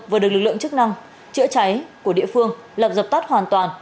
vừa được lực lượng chức năng chữa cháy của địa phương lập dập tắt hoàn toàn